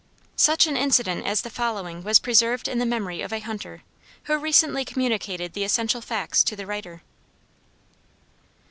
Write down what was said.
Such an incident as the following was preserved in the memory of a hunter, who recently communicated the essential facts to the writer.